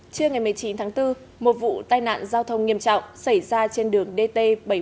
trưa ngày một mươi chín tháng bốn một vụ tai nạn giao thông nghiêm trọng xảy ra trên đường dt bảy trăm bốn mươi